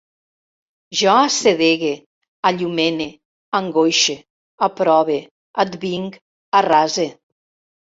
Jo assedegue, allumene, angoixe, aprove, advinc, arrase